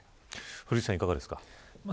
古市さん、いかがですか。